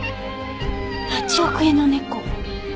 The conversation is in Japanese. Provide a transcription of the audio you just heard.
８億円の猫。